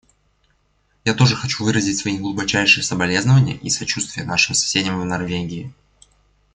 Я тоже хочу выразить свои глубочайшие соболезнования и сочувствие нашим соседям в Норвегии.